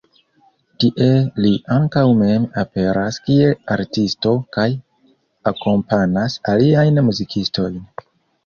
Tie li ankaŭ mem aperas kiel artisto kaj akompanas aliajn muzikistojn.